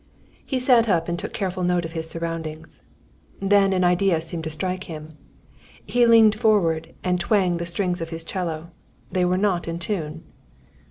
He sat up and took careful note of his surroundings. Then an idea seemed to strike him. He leaned forward and twanged the strings of his 'cello. They were not in tune.